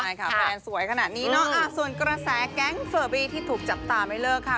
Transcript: ใช่ค่ะแฟนสวยขนาดนี้เนาะส่วนกระแสแก๊งเฟอร์บี้ที่ถูกจับตาไม่เลิกค่ะ